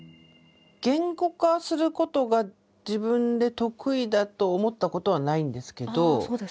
言語化することが自分で得意だと思ったことはないんですけど